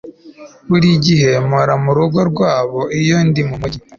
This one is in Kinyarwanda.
Buri gihe mpora murugo rwabo iyo ndi mumujyi